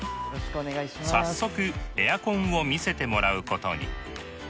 早速エアコンを見せてもらうことに。